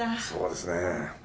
そうですね。